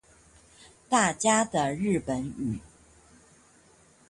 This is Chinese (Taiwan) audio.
大家的日本語